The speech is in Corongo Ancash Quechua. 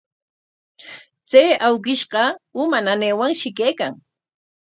Chay awkishqa uma nanaywanshi kaykan.